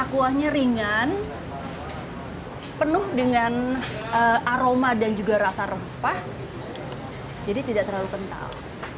kuahnya ringan penuh dengan aroma dan juga rasa rempah jadi tidak terlalu kental